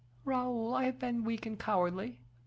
Raoul, I have been weak and cowardly.